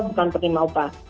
bukan penerima upah